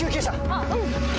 あっうん。